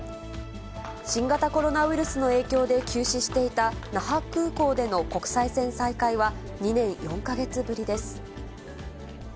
新型コロナウイルスの影響で休止していた那覇空港での国際線再開は、２年４か月ぶりです。